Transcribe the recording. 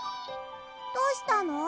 どうしたの？